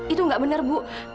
itu gak benar bu